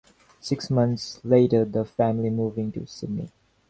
Six months later the family moving to Sydney.